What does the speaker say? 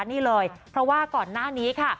นี่เลยเพราะว่าก่อนหน้านี้ค่ะ